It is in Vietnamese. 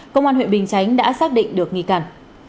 công an huyện bình chánh đã xác định được nghi can